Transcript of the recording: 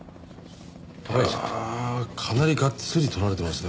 ああかなりがっつり撮られてますね